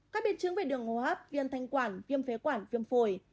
các biên chứng về đường hô hấp viên thanh quản viêm phế quản viêm phổi